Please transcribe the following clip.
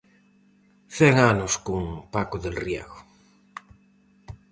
Cen anos con Paco del Riego.